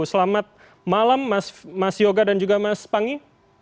selamat malam mas yoga dan juga mas pangi